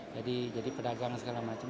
jadi pedagang dan segala macam